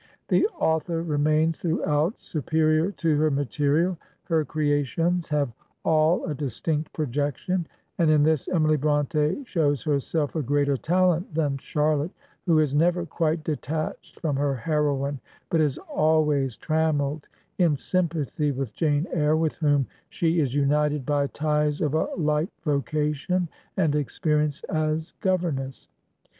The author remains throughout superior to her material; her creations have all a distinct projection, and in this Emily BrontS shows herself a greater talent than Charlotte, who is never quite detached from her heroine, but is always tram melled in sjonpathy with Jane Eyre, with whom she is imited by ties of a like vocation and experience, as governess.